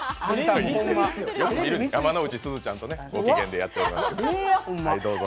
山之内すずちゃんとご機嫌でやってる。